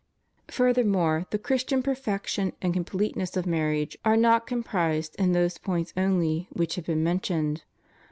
Furthermore, the Christian perfection and complete ness of maraage are not comprised in those points only which have been mentioned.